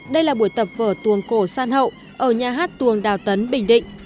đây là buổi tập vở tuồng cổ san hậu ở nhà hát tuồng đào tấn bình định